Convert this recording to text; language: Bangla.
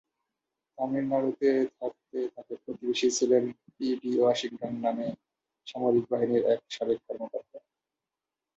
তামিলনাড়ুতে থাকতে তাঁদের প্রতিবেশী ছিলেন পি ডি ওয়াশিংটন নামে সামরিক বাহিনীর এক সাবেক কর্মকর্তা।